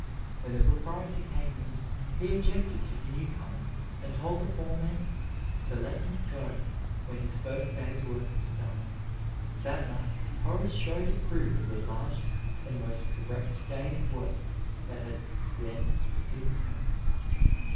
When the proprietor came in, he objected to the new comer and told the foreman to let him go when his first day's work was done. That night Horace showed a proof of the largest and most correct day's work that had then been done.